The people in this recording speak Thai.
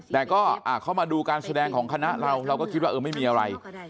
แต่ก็เข้ามาดูการแสดงของคณะเราเราก็คิดว่าเออไม่มีอะไร